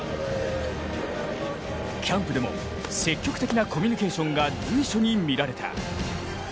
キャンプでも積極的なコミュニケーションが随所に見られた。